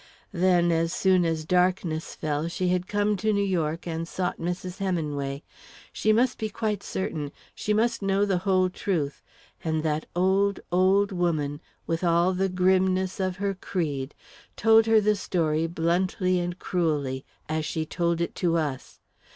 Then, as soon as darkness fell, she had come to New York and sought Mrs. Heminway. She must be quite certain; she must know the whole truth. And that old, old woman, with all the grimness of her creed, told her the story bluntly and cruelly, as she told it to us.